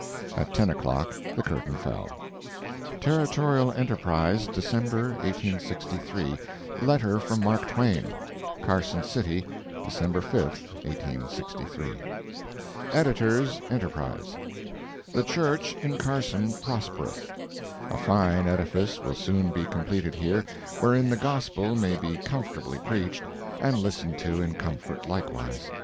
At ten o'clock the curtain fell. Territorial Enterprise, December 1863 LETTER FROM MARK TWAIN Carson City, December 5, 1863 EDITOR'S ENTERPRISE: The church in Carson prospereth. A fine edifice will soon be completed here, wherein the gospel may be comfortably preached, and listened to in comfort likewise.